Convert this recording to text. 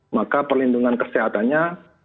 maka perlindungan kesehatannya